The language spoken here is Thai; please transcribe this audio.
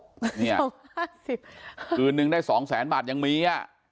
สองห้าสิบปืนนึงได้สองแสนบาทยังมีอ่ะ